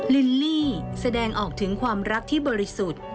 ลิลลี่แสดงออกถึงความรักที่บริสุทธิ์